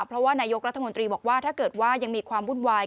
เพราะว่านายกรัฐมนตรีบอกว่าถ้าเกิดว่ายังมีความวุ่นวาย